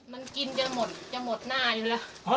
มันกินจะหมดหน้าอยู่แล้ว